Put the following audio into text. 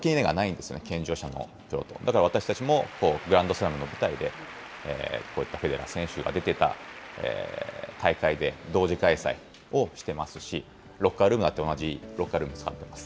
ですから私たちもグランドスラムの舞台で、こういったフェデラー選手が出てた大会で、同時開催をしてますし、ロッカールームだって、同じロッカールーム使ってます。